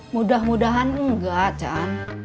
mudah mudahan enggak achan